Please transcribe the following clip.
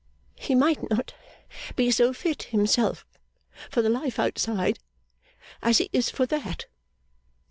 He might not be so fit himself for the life outside as he is for that.